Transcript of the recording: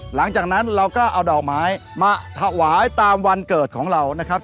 หลังจากนั้นเราก็เอาดอกไม้มาถวายตามวันเกิดของเรานะครับ